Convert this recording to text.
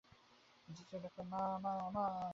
আমি চেঁচিয়ে ডাকলাম, মা-মা-মা!